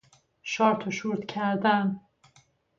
شارت و شورت کردن